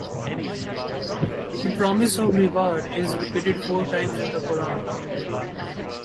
The promise of reward is repeated four times in the Coran.